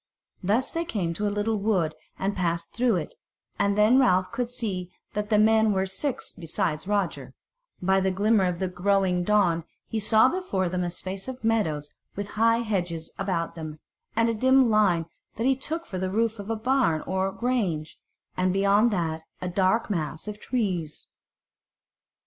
Thus they came into a little wood and passed through it, and then Ralph could see that the men were six besides Roger; by the glimmer of the growing dawn he saw before them a space of meadows with high hedges about them, and a dim line that he took for the roof of a barn or grange, and beyond that a dark mass of trees.